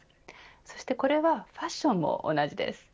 そしてこれはファッションも同じです